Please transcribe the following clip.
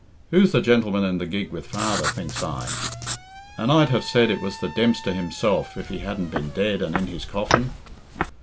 'Who's the gentleman in the gig with father?' thinks I. And I'd have said it was the Dempster himself, if he hadn't been dead and in his coffin."